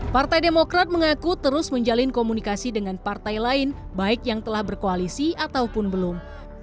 partai demokrat mengaku terus menjalin komunikasi dengan partai lain baik yang telah berkoalisi ataupun belum